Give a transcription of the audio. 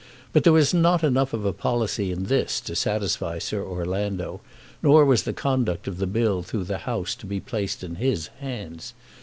But there was not enough of a policy in this to satisfy Sir Orlando, nor was the conduct of the bill through the House to be placed in his hands.